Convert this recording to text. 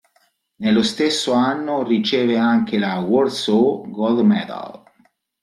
Nello stesso anno riceve anche la Warsaw Gold Medal.